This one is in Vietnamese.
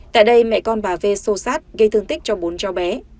tại đây mẹ con bà v xô sát gây thương tích cho bốn cháu bé